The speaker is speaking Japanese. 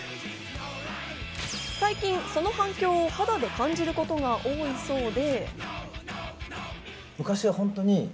最近その反響を肌で感じることが多いそうで。